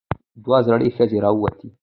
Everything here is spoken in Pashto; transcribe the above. دوه زړې ښځې راووتې.